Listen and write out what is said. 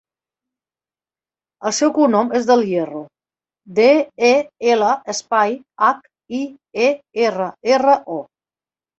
El seu cognom és Del Hierro: de, e, ela, espai, hac, i, e, erra, erra, o.